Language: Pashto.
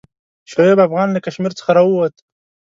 شعیب افغان له کشمیر څخه راووت.